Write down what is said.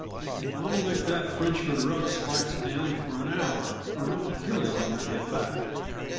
I'll make that Frenchman rub Spikes down for an hour, or I'll kill him when I get back."